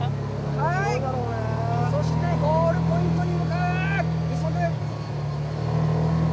そして、ゴールポイントに向かう。